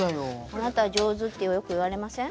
「あなた上手」ってよく言われません？